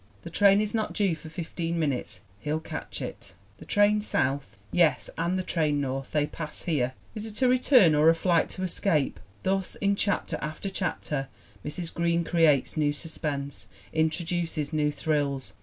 The train is not due for fifteen minutes. He'll catch it "The train south?' " 'Yes, and the train north. They pass here/ * Is it a return or a flight to escape ? Thus, in chap ter after chapter, Mrs. Green creates new suspense, introduces new thrills.